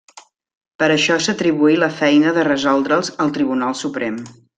Per això s'atribuí la feina de resoldre'ls al Tribunal Suprem.